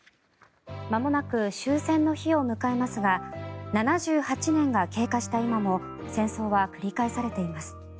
まもなく終戦の日を迎えますが７８年が経過した今も戦争は繰り返されています。